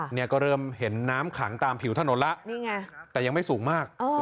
เนี่ยก็เริ่มเห็นน้ำขังตามผิวถนนแล้วนี่ไงแต่ยังไม่สูงมาก